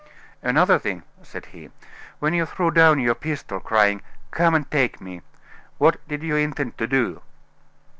"Another thing," said he. "When you threw down your pistol, crying, 'Come and take me,' what did you intend to do?"